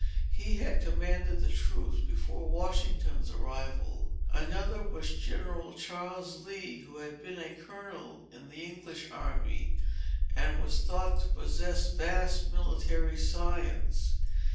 He had commanded the troops before Washington's arrival. Another was General Charles Lee, who had been a colonel in the English army, and was thought to possess vast military science.